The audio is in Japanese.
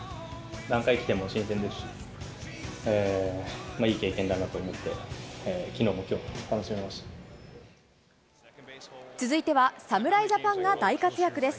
何回来ても新鮮ですし、いい経験だなと思って、続いては、侍ジャパンが大活躍です。